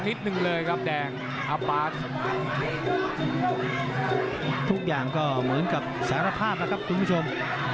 ทุกอย่างเหมือนกับสารภาพนะครับครับคุณผู้ชม